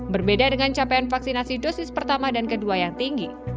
berbeda dengan capaian vaksinasi dosis pertama dan kedua yang tinggi